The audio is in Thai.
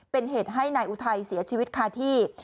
เป็นเหตุให้นายอุทัยเสียชีวิตคาที่